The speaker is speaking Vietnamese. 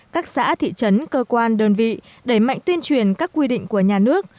các xã thị trấn cơ quan đơn vị đẩy mạnh tuyên truyền các quy định của nhà nước